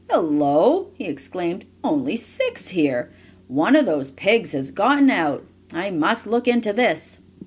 "Hello!" he exclaimed. "Only six here! One of those pigs has gotten out. I must look into this!"